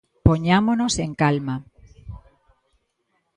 Poñámonos en calma.